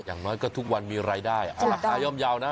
อย่างน้อยก็ทุกวันมีรายได้เอาราคาย่อมเยาว์นะ